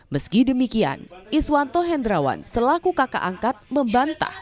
meski demikian iswanto hendrawan selaku kakak angkat membantah